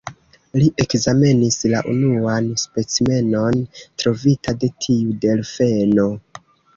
Li ekzamenis la unuan specimenon trovita de tiu delfeno.